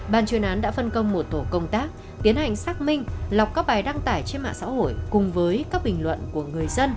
bàn chuyên án đã phân công một tổ công tác tiến hành xác minh lọc các bài đăng tải trên mạng xã hội cùng với đối tượng